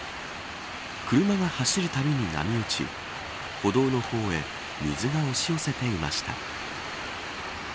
車が走るたびに波打ち歩道の方へ水が押し寄せていました。